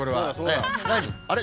あれ？